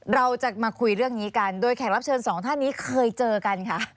เราจะมาคุยเรื่องนี้กันโดยแขกรับเชิญสองท่านนี้เคยเจอกันค่ะ